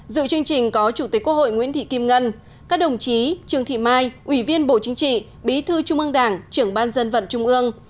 dự chương trình có chủ tịch quốc hội nguyễn thị kim ngân các đồng chí trương thị mai ubnd bí thư trung ương đảng trưởng ban dân vận trung ương